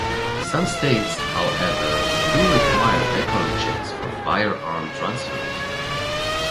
Some states, however, do require background checks for firearm transfers.